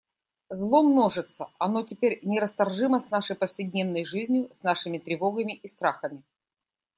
Зло множится, оно теперь нерасторжимо с нашей повседневной жизнью, с нашими тревогами и страхами.